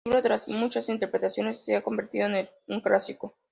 El libro tras muchas interpretaciones se ha convertido en un clásico.